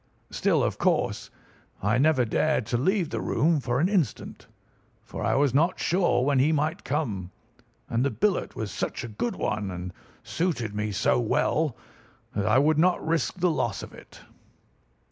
Still, of course, I never dared to leave the room for an instant, for I was not sure when he might come, and the billet was such a good one, and suited me so well, that I would not risk the loss of it.